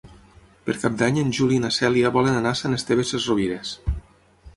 Per Cap d'Any en Juli i na Cèlia volen anar a Sant Esteve Sesrovires.